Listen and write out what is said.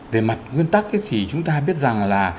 về mặt nguyên tắc thì chúng ta biết rằng là